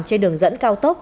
trên đường dẫn cao tốc